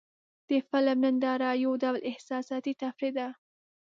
د فلم ننداره یو ډول احساساتي تفریح ده.